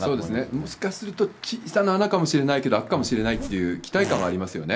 もしかすると小さな穴かもしれないけれども、開くかもしれないっていう期待感はありますよね。